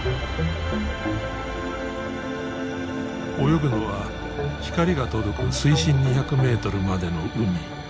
泳ぐのは光が届く水深２００メートルまでの海。